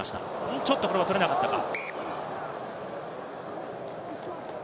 ちょっとこれは取れなかったか。